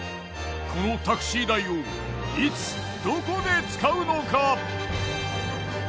このタクシー代をいつどこで使うのか？